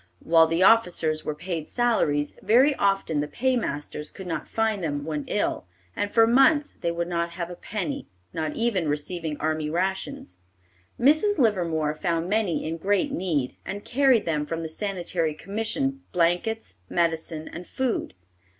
While the officers were paid salaries, very often the paymasters could not find them when ill, and for months they would not have a penny, not even receiving army rations. Mrs. Livermore found many in great need, and carried them from the Sanitary Commission blankets, medicine, and food.